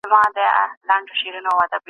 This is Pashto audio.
باید د ښځو او د هغوی د حقوقو په اړه څېړنه وسي.